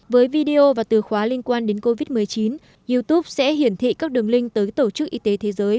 với video và từ khóa liên quan đến covid một mươi chín youtube sẽ hiển thị các đường link tới tổ chức y tế thế giới